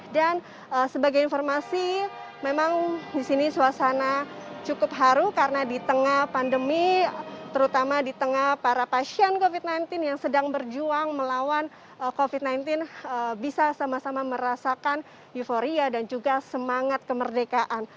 dan sebagai informasi memang disini suasana cukup haru karena di tengah pandemi terutama di tengah para pasien covid sembilan belas yang sedang berjuang melawan covid sembilan belas bisa sama sama merasakan euforia dan juga semangat kemerdekaan